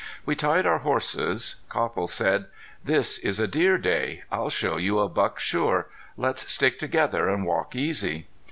We tied our horses. Copple said: "This is a deer day. I'll show you a buck sure. Let's stick together an' walk easy."